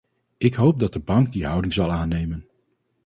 Ik hoop dat de bank die houding zal aannemen.